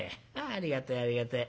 ありがてえありがてえ」。